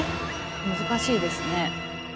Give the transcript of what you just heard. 難しいですね。